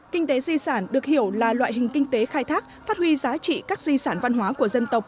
kinh tế di sản được hiểu là loại hình kinh tế khai thác phát huy giá trị các di sản văn hóa của dân tộc